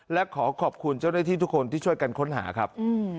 และขอขอบคุณเจ้าหน้าที่ทุกคนที่ช่วยกันค้นหาครับ